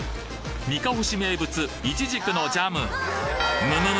にかほ市名物いちじくのジャムむむむ。